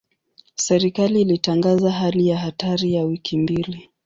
Serikali ilitangaza hali ya hatari ya wiki mbili.